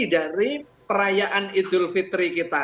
dari perayaan idul fitri kita